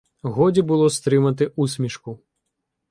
Годі було стримати усмішку.